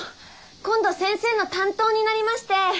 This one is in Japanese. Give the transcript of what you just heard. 今度先生の担当になりましてー。